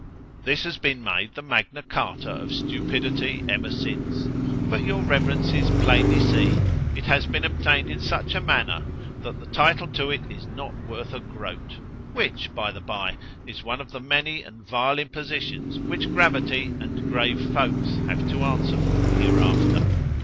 This has been made the Magna Charta of stupidity ever since——but your reverences plainly see, it has been obtained in such a manner, that the title to it is not worth a groat:——which by the bye is one of the many and vile impositions which gravity and grave folks have to answer for hereafter.